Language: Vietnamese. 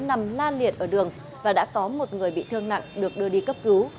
nằm la liệt ở đường và đã có một người bị thương nặng được đưa đi cấp cứu